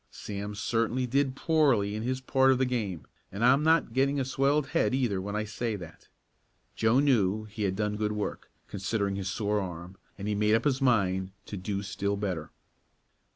Sam certainly did poorly in his part of the game, and I'm not getting a swelled head, either, when I say that." Joe knew he had done good work, considering his sore arm, and he made up his mind to do still better.